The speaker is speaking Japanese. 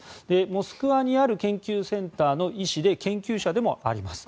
モスクワにある研究センターの医師で研究者でもあります。